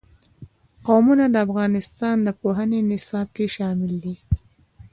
قومونه د افغانستان د پوهنې نصاب کې شامل دي.